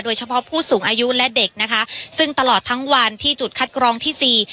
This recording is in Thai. เฉพาะผู้สูงอายุและเด็กนะคะซึ่งตลอดทั้งวันที่จุดคัดกรองที่สี่